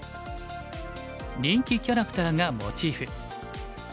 人気キャラクターがモチーフ。